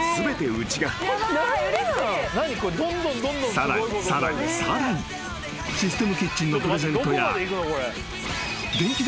［さらにさらにさらに］［システムキッチンのプレゼントや］